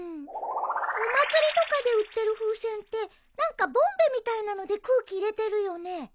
お祭りとかで売ってる風船って何かボンベみたいなので空気入れてるよね。